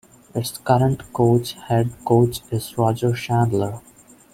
Its current coach head coach is Roger Chandler.